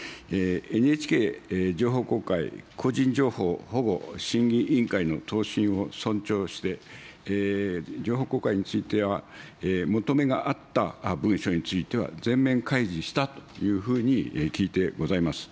ＮＨＫ情報公開個人情報保護審議委員会の答申を尊重して、情報公開については、求めがあった文書については、全面開示したというふうに聞いてございます。